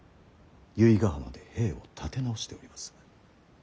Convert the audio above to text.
由比ヶ浜で兵を立て直しております。